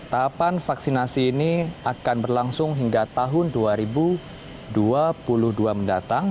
tahapan vaksinasi ini akan berlangsung hingga tahun dua ribu dua puluh dua mendatang